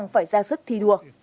phải ra sức thi đua